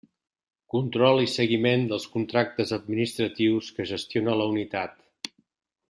Control i seguiment dels contractes administratius que gestiona la unitat.